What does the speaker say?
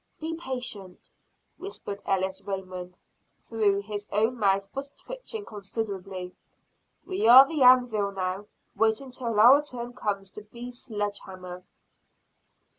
"Be patient!" whispered Ellis Raymond, though his own mouth was twitching considerably. "We are the anvil now; wait till our turn comes to be sledgehammer!"